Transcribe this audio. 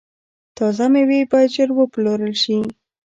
تازه میوې باید ژر وپلورل شي.